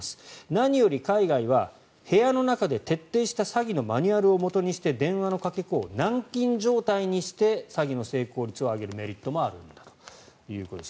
何より海外は部屋の中で徹底した詐欺のマニュアルをもとにして電話のかけ子を軟禁状態にして詐欺の成功率を上げるメリットもあるんだということです。